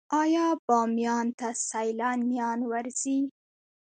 آیا بامیان ته سیلانیان ورځي؟